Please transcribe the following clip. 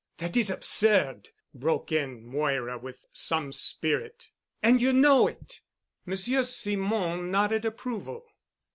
"That is absurd——" broke in Moira with some spirit, "and you know it." Monsieur Simon nodded approval.